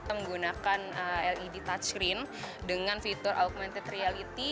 kita menggunakan led touchrin dengan fitur augmented reality